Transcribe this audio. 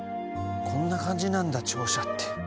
こんな感じなんだ庁舎って。